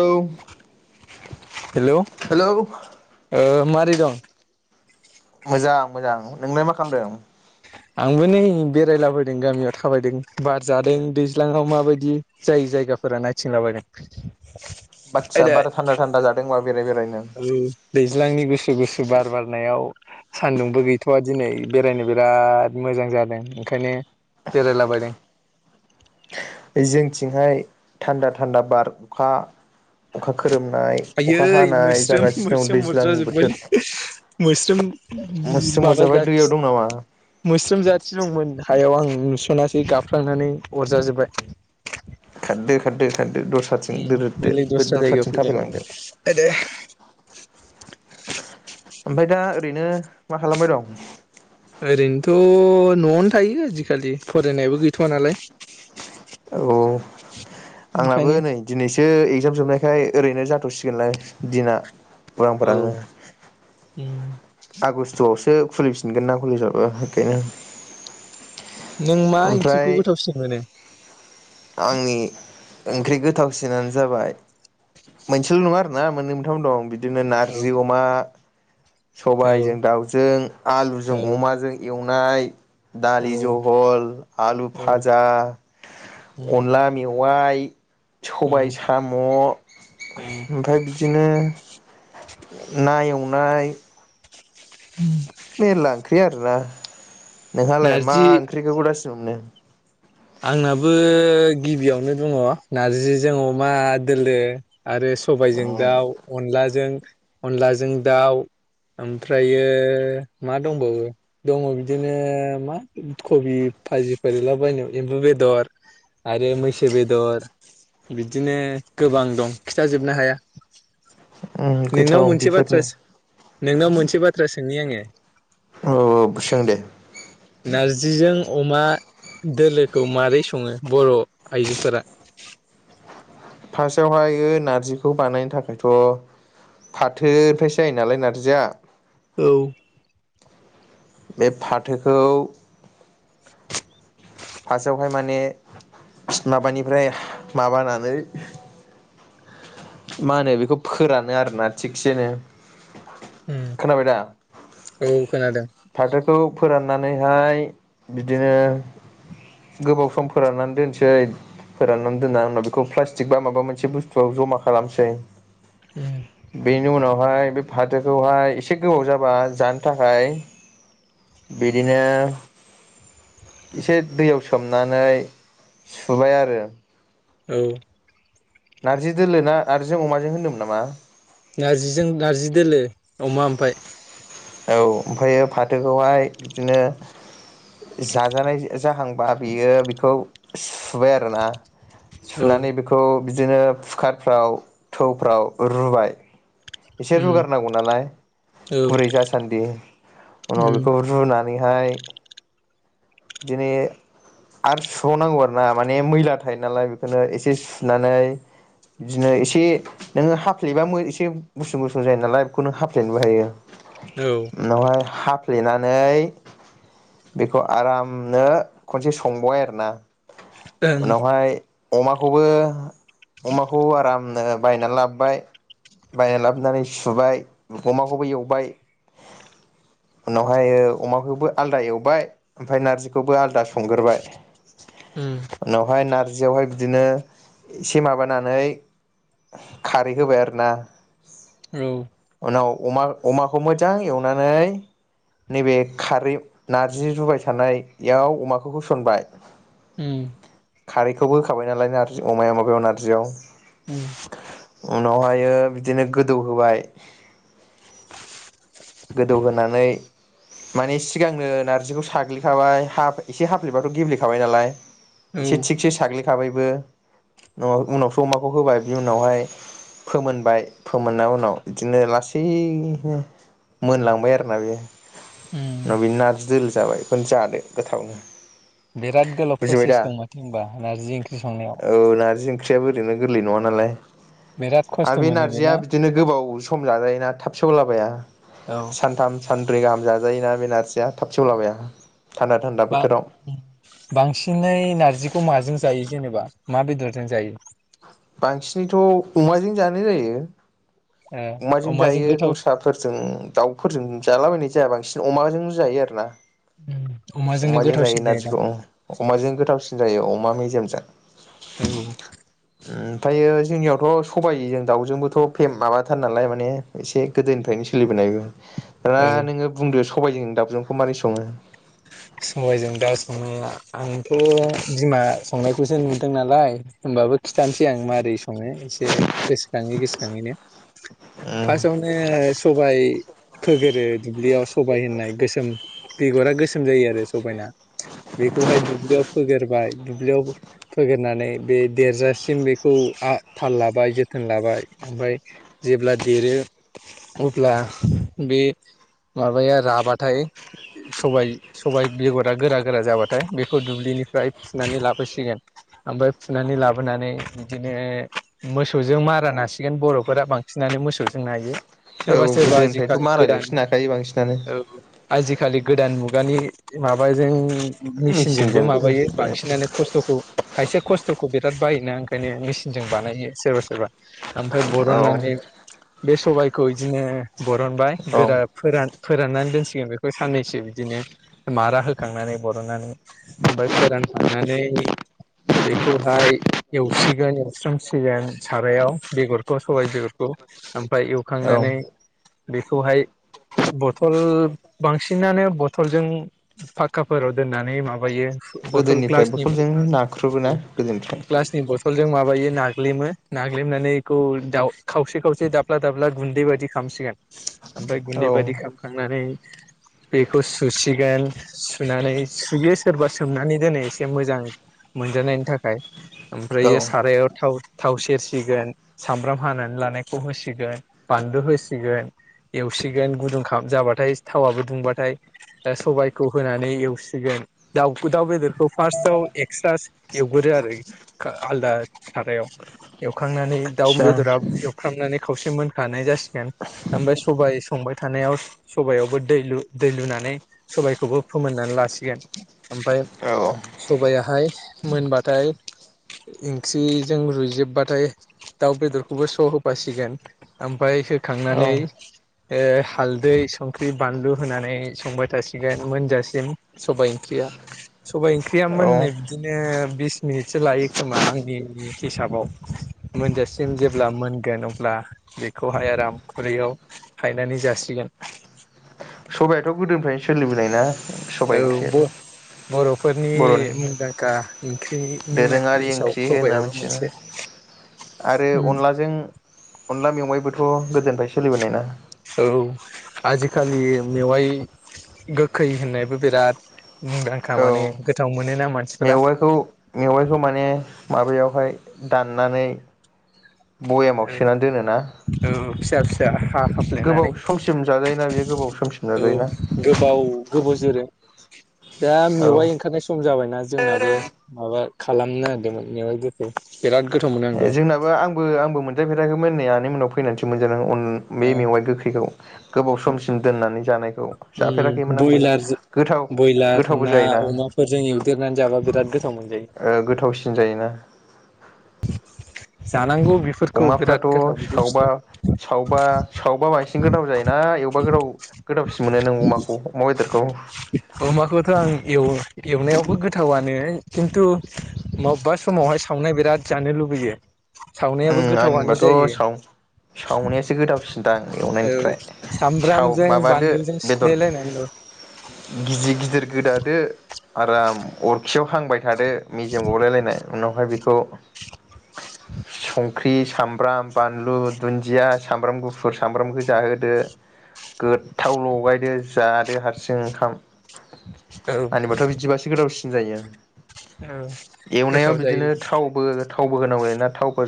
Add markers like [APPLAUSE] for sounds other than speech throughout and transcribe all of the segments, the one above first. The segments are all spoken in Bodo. औ हेलौ हेलौ ओ मा दै दं मोजां मोजां नोंलाय मा खालामदों? आंबो नै बेरायलाबायदों गामियाव थाबायदों बार जादों दैज्लाङाव माबायदि जाय जायगाफोरा नायथिंलाबायदों आदसा बारा आयदै थान्दा थान्दा जादों होमबा बेराय बेरायनो दैज्लांनि गुसु गुसु बार बारनायाव सान्दुंबो गैथ'वा दिनै बेरायनो बिराद मोजां जादों ओंखायनो बेरायलाबायदों जोंथिंहाय थान्दा थान्दा बार अखा अखा खो आयै मोस्रोम दं मोस्रोम दैज्लांनि बोथोर अरजाजोब्बाय मोस्रोम मुस्रि माबा मजाबाय जाथि दैयाव दं नामा? मोस्रोम जाथि दंमोन हायाव आं नुस'नासै गाबफ्लांनानै अरजाजोबबाय खारदो खारदो खारदो दस्राथिं ओम बेलेग दोरोददो दस्रा दस्राथिं जायगायाव थाबायलांदो फैबाइ आइदै ओमफ्राय दा ओरैनो मा खालामबाय दं? ओरैनोथ' न'आवनो थायो आजिखालि फरायनायाबो गैथ'वा नालाय औ औ आंनाबो ओंखायनो नै दिनैसो एगजाम जोबनाय ओमफ्राय ओरैनो जाथ'सिगोनलाय दिना उरां औ फारांनो उम आगष्ट'आवसो खुलि फि फिनगोना कलेजाबो बेखायनो नों मा ओमफ्राय ओंख्रिखौ गोथावसिन मोनो? आंनि ओंख्रि गोथावसिनानो जाबाय मोनसेल' नङा आरोना मोननै मोनथाम दं बि दिनो औ नारजि अमा औ सबाइजों दाउजों आलुजों औ अमाजों एव नाय औ दालि जहल आलु औ भाजा उम अनला मेव वाइ औ सबाइ साम' औ ओमफ्राय बिदिनो ना एव नाय [INAUDIBLE] मेरला ओंख्रि आरोना नोंहालाय मा नारजि ओंख्रिखौ गोथावसिन मोनो? आंनाबो गिबियावनो दङ नारजिजों अमा दोलो। आरो सबाइजों दाउ अनलाजों अनलाजों दाउ ओमफ्रायो मा दंबावो दङ बिदिनो मा कबि भाजिफोर एवलाबायनाय। एम्बु बेदर आरो मैसो बेदर बिदिनो गोबां दं खिथाजोबनो हाया। उम नोंनाव गोथाव मोनसे बाथ्रा बेफोरबो। नोंनाव मोनसे बाथ्रा सोंनि आङो? औ औ सों दे। नारजिजों अमा दोलोखौ मारै सङो बर' आइजोफोरा? फार्स्टआवहायो नारजिखौ बानायनो थाखायथ' फाथोनिफ्रायसो जायो नालाय नारजिया। औ बे फाथोखौ फार्स्टआवहाय माने माबानिफ्राय माबानानै मा होनो बेखौ फोरानो आरोना थिगसेनो। उम खोनाबाय दा औ खोनादों। फाथोखौ फोराननानैहाय बिदिनो गोबाव सम फोराननानै दोनसै फोराननानै दोननानै उनाव बेखौ प्लास्टिक बा माबा मोनसे बुस्थुआव जमा खालामसै। बेनो उनाव बेहाय बे फाथोखौहाय एसे गोबाव जाबा जानो थाखाय बिदिनो एसे दैयाव सोमनानै सुबाय आरो औ नार्जि दोलो ना नारजिजों अमाजों होजों होदोंमोन नामा? नारजिजों नार्जि दोलो अमा ओमफाय। औ ओमफ्राययो फाथोखौहाय इदिनो जाजानाय जाहांबा बियो बेखौ सुबाय आरोना। औ सुनानै बेखौ बिदिनो फुकारफ्राव थौफ्राव रुबाय एसे उम रुगारनांगौ नालाय औ गुरै जासान्दि उनाव उम बेखौ रुना नै हाय इदिनो आरो सुबावनांगौ आरो ना माने मैला थायो नालाय बेखौनो एसे सुनानै बिदिनो एसे नोङो हाफ्लेबा एसे गुसुं गुसुं जायो नालाय बेखौनो हाफ्लेनोबो हायो। औ उनावहाय हाफ्लेनानै बेखौ आरामनो खनसे संबावबाय आरोना उम उनावहाय अमाखौबो अमाखौ आरामनो बायना लाबोबाय बायना लाबोनानै सुबाय अमाखौबो एवबाय उनावहाय ओ अमाखौबो आलदा एवबाय ओमफाय नारजिखौबो आलदा सं संगोरबाय उनावहाय नार जियावहाय बिदिनो एसे माबानानै खारै होबाय आरोना। औ उनाव अमा अमाखौ मोजां एवनानै नैबे खारै नारजि रुबाय थानायाव अमाखौ होसनबाय। उम। खारैखौबो होखाबाय नालाय नारजि अमाया माबायाव नारजियाव। [INAUDIBLE] उनावहायो बिदिनो गोदौ होबाय। गोदौहोनानै माने सिगांनो नारजिखौ साग्लिखाबाय हाब एसे हाफ्लिबाथ' गेब्लेखाबाय नालाय। औ इसे थिकसे साग्लि खाबायबो उनाव उनावसो अमाखौ होबाय बिनि उनावहाय फोमोनबाय फोमोनना उनाव इदिनो लासैनो मोनलांबाय आरोना बेयो उम नाव बिनि नारजि दोलो जाबाय बेखौनो जादो गोथावनो। बिराद गोलाव बुजिबाय दा प्रसेस दं माथो होमबा नारजि ओंख्रि संनायाव। औ [UNINTELLIGIBLE] गोरलै नङालाय। बिराद खस्थ' आरो बे मोनो नारजिया बेना बिदिनो गोबाव सम जाजायोना थाब सेवलाबाया। औ सानथाम सानब्रै गाहाम जाजायो ना बे नारजि बा बोथोराव बांसिनै नारजिखौ माजों जायो जेनेबा मा बेदरजों जायो। बांसिनैथ' अमाजों जानाय जायो। ओ अमाजों जायो गोथाव दस्राफोरजों दाउफोरजों जालाबायनाय जाया बांसिन अमाजोंबो जायो आरो ना। अमाजोंनो अमाजों जायो गोथावसिन जायोदां नारजिखौ औ अमाजों गोथावसिन जायो औ। अमा मेजेमजों। औ। ओमफायो जोंनियावथ' सबाइ जों दाउजोंबोथ' फे माबाथार नालाय माने एसे गोदोनिफ्रायनो सोलिबोनायबो। दा औ नोङो बुंदो स सबायजों दाबजोंखौ मारै सङो? सबायजों दाउ संनाया आंथ' बिमा संनायखौसो नुदों नालाय होमबाबो खिथानोसै आं मारै स माने एसे गोसोखाङै गोसोखाङैनो औ फार्स्टआवनो सबाय फोग्रोयो दुब्लियाव सबाय होननाय गोसोम बेगरा गोसो सोम जायो आरो सबायना बेखौहाय दुब्लियाव फोग्रोबाय दुब्लियाव फोग्रोनानै बे देरजासिम बेखौ आ थाल लाबाय जोथोन लाबाय ओमफ्राय जेब्ला देरो अब्ला बे माबाया राबाथाय सबाय सबाय बेगरा गोरा गोरा जाबाथाय बेखौ दुब्लिनिफ्राय फुनानै लाबोसिगोन ओमफ्राय फुनानै लाबोनानै बिदिनो मोसौजों मारा नासिगोन बर'फोरा बांसिनानो मोसौजों नायो। सोरबा सोरबा गोदोनिफ्रायथ' आजिखालि गोदान माराजोंसो नाखायो बांसिनानो औ आजिखालि गोदान मुग खुगानि माबाजों मेसिनजोंबो मेचिनजों माबायो ओमफ्राय बांसिनानो खस्थ'खौ खायसेया खस्थ'खौ बिराद बायोना। बेखायनो मेचिनजों बानायो सोरबा सोर ओमफ्राय औ बरननानै बे सबायखौ इदिनो बरनबाय औ गोरा फोरान फोराननानै दोनसिगोन बेखौ साननैसो बिदिनो। मारा होखांनानै बरननानै ओमफ्राय फोरानखांनानै बेखौहाय एवसिगोन एवस्रोमसिगोन सारायाव बेगरखौ सबाय बेगरखौ आम ओमफ्राय औ एवखांनानै बेखौहाय बथल बांसिनानो ब बथल जों फाक्काफोराव दोननानै माब माबायो बथल गोदोनिफ्राय ग्लासनि बथलजों नाख्रुबोना गोदोनिफ्राय ग्लासनि बथलजों माबायो। माबायो नाग्लेयोमोन नाग्लेमनानै बेखौ खावसे-खावसे दाब्ला-दाब्ला गुन्दै बायदि खालामसिगोन। ओमफ्राय औ गुन्दै बायदि खालामखांनानै बे बेखौ सुसिगोन। सुनानै सुयो सोरबा सोमनानै दोनो। एसे मोजां मोनजानायनि थाखाय। औ ओमफ्राय सारायाव थाव थाव सेरसिगोन सामब्राम हानानै लानायखौ होसिगोन बानलु होसिगोन एवसिगोन गुदुं खम जाबाथाय थावाबबो दुंबाथाय सबायखौ होनानै एवसिगोन दाउ दाउ बेदरखौ फार्स्टआव एक्सट्रा एवग्रो आरो आलदा सारायाव एवखांनानै दाउम आदसा बेदरा एवखांनानै खावसे मोनखानाय जास्ट ओमफ्राय सबाय संबाय थानायाव सबायावबो दै लु दै लुनानै सबायखौबो फोमोननानै लासिगोन। ओमफाय औ सबायाहाय मोनबाथाय ओंख्रिजों रुजोबबाथाय दाउ बेदरखौबो स' होफासिगोन ओमफ्राय औ खांनानै ए हालदै संख्रि बानलु होनानै संबाय थासिगोन मोनजासिम सबाय ओंख्रिया सबाय ओंख्रिया औ मोननो बिदिनो बिस मिनिटसो लायो खोमा आंनि हिसाबाव मोनजासिम जेब्ला मोनगोन अब्ला बेखौहाय आराम खुरैयाव हायनानै जासिगोन। सबायथ' गोदोनिफ्रायनो सोलिबोनाय ना? औ सबाइ ओंख्रियाथ' ब बर'फोरनि बर'नि मुंदांखा ओंख्रिनि दोरोङारि लिसाव ओंख्रि होनना सबायाबो मिथियोना मोनसे। आरो थ गोदोनिफ्रायनो सोलिबोनाय ना? औ आजिखालि मेवाइ गोखै होननायबो बिराद मुंदांखा माने औ गोथाव मोनो ना मेवाइखौ मेवाइखौ माने माबायावहाय दाननानै बयामाव सोनानै दोनो ना फिसा फिसा हा हाफ्लेनानै गोबाव समसिम जाजायोना बेयो गोबाव समसिम औ जाजायोना गोबाव गोबाव जोरो दा औ मेवाइ ओंखारनाय सम जाबायना जोंनाबो माबा खालामनायदोंमोन मेवाय गोखै बिराद गोथाव मोनो आं जोंनाबो आंबो आंबो मोन मोनजाफेराखैमोन नै आनै मोननाउ फैनानैसो मोनजादों आं बे द' मेवाइ गोखैखौ गोबाव समसिम दोननानै जानायखौ जाफेराखैमोन आंबो बयलारजों गोथाव बयलार गोथावबो ना जायोना अमाफोरजों एवदेरनानै जाबा बिराद गोथाव मोनजायो गोथावसिन जायोना जानांगौ बेफोरखौ अमाफ्राथ' बिराद गोथाव बिदि सावबा बुस्थुआ सावबा सावबा बांसिन गोथाव जायोना एवबा गोथाव गोथावसिन मोनो नों अमाखौ अमा बेदारखौ खौ अमाखौथ' आं एवो एवनायावबो गोथावनो खिन्थु मबेबा समावहाय सावनाय बिराद जानो लुबैयो सावनायाबो उम गोथावानो आंनिबाथ' जायो साव सावनायसो गोथावसिनदां औ एवनायनिफ्राय साव सामब्रामजों माबादो बानलुजों बेदर सिफ्लेलायनानै औ गिदिर गिदिर गोदादो आराम अरखियाव हांबाय थादो मेजेम गावलायलायनाय उनावहाय बेखौ संख्रि सामब्राम बानलु दुन्दिया सामब्राम गुफुर सामब्रामखौ जाहोदो गोथाव लगायदो जादो हारसिं ओंखाम आंबाथ' बिदिबासो गोदावसि सिगायो औ एवनायाव गोथाव जायो बिदिनो थावबो थावबो होनांगौ जायोना थावबो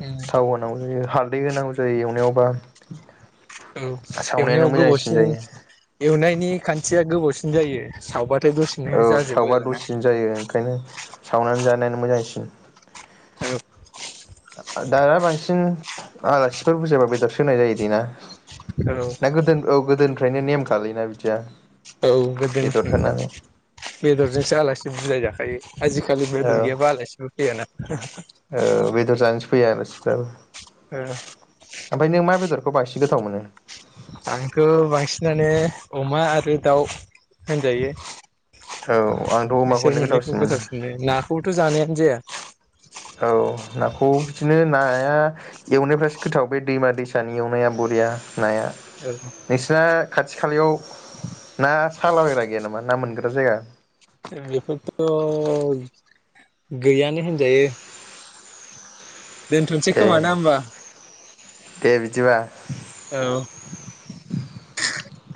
उम [UNINTELLIGIBLE] हालदै होनांगौ जायो एवनायावबा औ सावनायानो एवनायाव मोजांसिन गोबावसिन जायो एवनायनि खान्थिया गोबावसिन जायो सावबा औ सावबा दसेनो जायो ओंखायनो सावनानै जानायानो मोजांसिन [UNINTELLIGIBLE] दा बांसिन आलासिफोर बुरजायाबा बेदरस होनाय जायो दे ना ना गोदोन औगोदो ओफ्रायनो नेम खालायोना बिदिया औ बेदर गोदोनिफ्राय दा होनानै बेदरजोंसो आलासि बुजायो दा मायो आजिखालि औ बेदर गैयाबा आलासि फैयाना औ बेदर जानो फैयो आलासिफ्राबो ओ ओमफाय नों मा बेदरखौ बांसिन गोथाव मोनो? आंथ' बांसिनानो अमा आरो दाउ होनजायो। औ आंथ' बिसोर अमाखौनो मोननैखौ गोथावसिन मोनो नाखौथ' जानायानो जाया। औ नाखौ बिदिनो नाया एवनायफ्रासो गोथाव बे दैमा दैसानि एवनाया बरिया। नाया औ नोंसिना खाथि खालायाव ना साला बायग्रा गैया नामा ना मोन ग्रा जायगा बेफोरथ' गैयानो होनजायो। दोनथ'सै ए खोमा ना होमबा? दे बिदिबा। औ [INAUDIBLE]